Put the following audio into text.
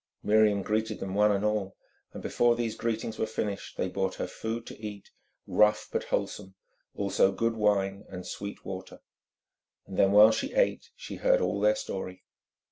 Miriam greeted them one and all, and before these greetings were finished they brought her food to eat, rough but wholesome, also good wine and sweet water. Then while she ate she heard all their story.